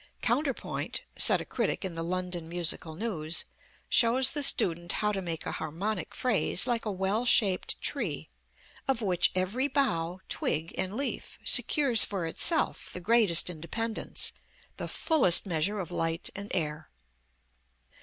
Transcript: Counterpoint, said a critic in the London Musical News, shows the student how to make a harmonic phrase like a well shaped tree, of which every bough, twig and leaf secures for itself the greatest independence, the fullest measure of light and air.